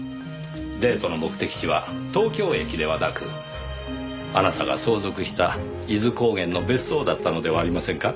デートの目的地は東京駅ではなくあなたが相続した伊豆高原の別荘だったのではありませんか？